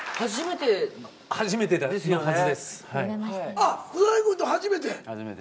あっ草君と初めて？